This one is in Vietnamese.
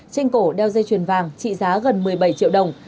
trên cổ đeo dây chuyền vàng trị giá gần một mươi bảy triệu đồng